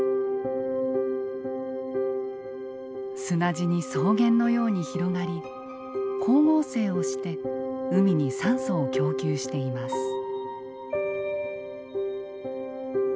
砂地に草原のように広がり光合成をして海に酸素を供給しています。